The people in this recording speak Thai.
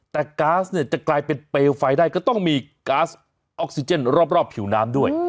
แต่ก๊าซเนี่ยจะกลายเป็นเปลวไฟได้ก็ต้องมีก๊าซออกซิเจนรอบผิวน้ำด้วย